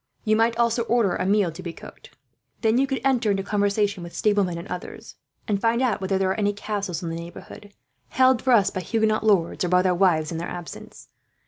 You might also order a meal to be cooked. Then you could enter into conversation with stablemen and others, and find out whether there are any castles in the neighbourhood held for us by Huguenot lords, or by their wives in their absence.